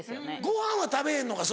ご飯は食べへんのか？